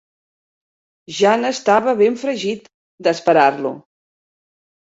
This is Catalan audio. Ja n'estava ben fregit, d'esperar-lo.